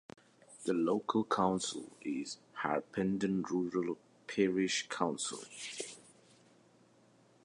The local council is Harpenden Rural Parish Council.